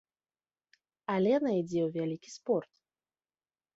Алена ідзе ў вялікі спорт.